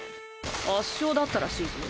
圧勝だったらしいぞ。